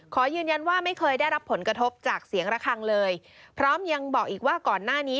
ขอยืนยันว่าไม่เคยได้รับผลกระทบจากเสียงระคังเลยพร้อมยังบอกอีกว่าก่อนหน้านี้